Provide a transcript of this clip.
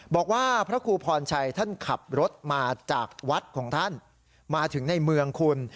บอกว่าพระครูพรชัยท่านขับรถมาจากวัดของท่านมาถึงในเมืองคุณ